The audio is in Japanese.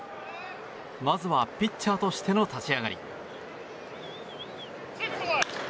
まずはピッチャーとしての立ち上がり。